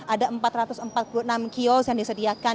ada empat ratus empat puluh enam kios yang disediakan